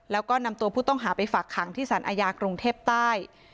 แล้วก็นำตัวผู้ต้องหาไปฝากขังที่สารอาญากรุงเทพใต้